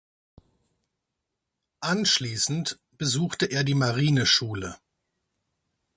Anschließend besuchte er die Marineschule.